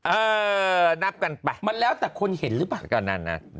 เออนับกันไปมันแล้วแต่คนเห็นหรือเปล่ากันนั้นนะ